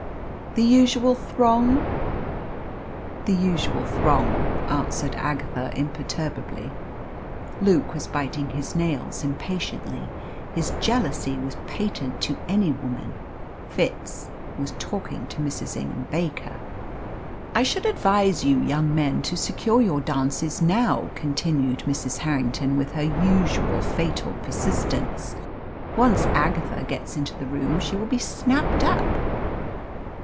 "The usual throng?" "The usual throng," answered Agatha imperturbably. Luke was biting his nails impatiently. His jealousy was patent to any woman. Fitz was talking to Mrs. Ingham Baker. "I should advise you young men to secure your dances now," continued Mrs. Harrington, with her usual fatal persistence. "Once Agatha gets into the room she will be snapped up."